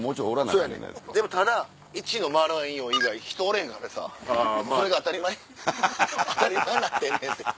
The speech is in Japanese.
そやねんでもただ１のマーライオン以外人おれへんからさそれが当たり前当たり前になってんねんて。